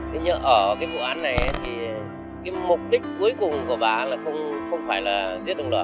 thế nhưng ở cái vụ án này thì cái mục đích cuối cùng của bà là không phải là giết đồng luật